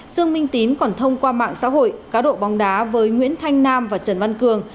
dương minh tín còn thông qua mạng xã hội cá độ bóng đá với nguyễn thanh nam và trần văn cường